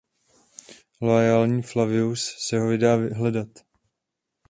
Loajální Flavius se ho vydá hledat.